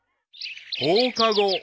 ［放課後］